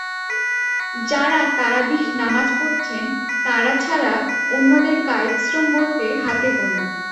যাঁরা তারাবিহর নামাজ পড়ছেন, তাঁরা ছাড়া অন্যদের কায়িক শ্রম বলতে হাতে গোনা।